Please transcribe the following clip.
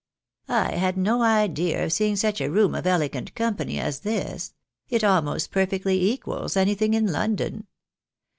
" I had no idea of seeing such a room of elegant company as this. It almost perfectly equals anything in London.